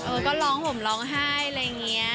ก็ร้องห่มร้องไห้อะไรอย่างนี้